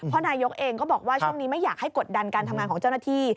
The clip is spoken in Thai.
เพราะนายกเองก็บอกว่าช่วงนี้ไม่อยากให้กดดันการทำงานของเจ้าหน้าที่